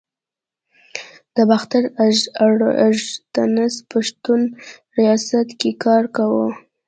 د باختر آژانس پښتو ریاست کې کار کاوه.